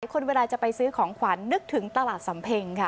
คนเวลาจะไปซื้อของขวัญนึกถึงตลาดสำเพ็งค่ะ